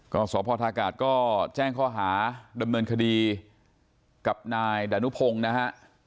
ก็สพท่ากาศก็แจ้งข้อหาดำเนินคดีกับนายดานุพงศ์นะฮะ